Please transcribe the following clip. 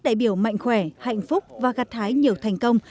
đề biểu mạnh khỏe hạnh phúc và gắt thái nhiều thành công